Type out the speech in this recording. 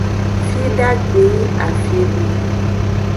Fidagbe yi afi di.